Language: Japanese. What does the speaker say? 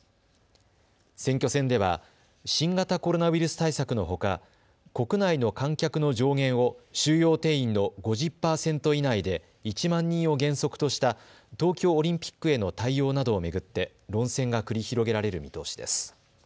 選挙戦では新型コロナウイルス対策のほか国内の観客の上限を収容定員の５０％以内で１万人を原則とした東京オリンピックへの対応などを巡って論戦が繰り広げられる見通しです。